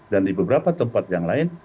dan di beberapa tempat yang lain